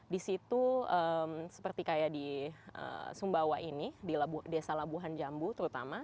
di situ seperti kayak di sumbawa ini di desa labuhan jambu terutama